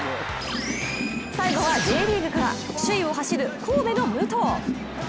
最後はＪリーグから、首位を走る神戸の武藤。